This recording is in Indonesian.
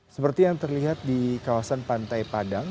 seperti yang terlihat di kawasan pantai padang